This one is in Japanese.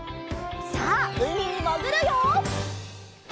さあうみにもぐるよ！